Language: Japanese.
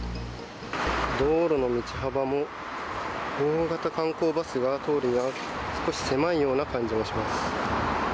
道路の道幅も大型観光バスが通るには少し狭いような感じがします。